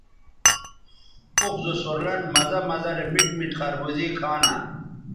اوخ زو سور لنڈ مزہ مزہ رے میٹ میٹ خربوزے کھانہ